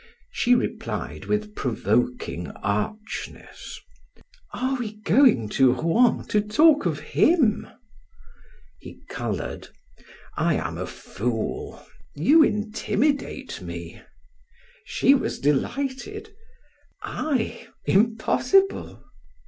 She replied with provoking archness: "Are we going to Rouen to talk of him?" He colored. "I am a fool. You intimidate me." She was delighted. "I? Impossible."